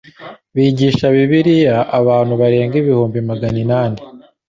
Bigisha Bibiliya abantu barenga ibihumbi maganinani